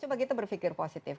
coba kita berpikir positif